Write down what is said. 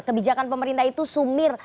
kebijakan pemerintah itu sumir